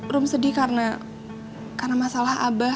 rum sedih karena masalah abah